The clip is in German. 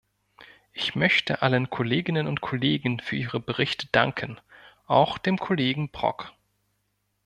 Ich möchte allen Kolleginnen und Kollegen für ihre Berichte danken, auch dem Kollegen Brok.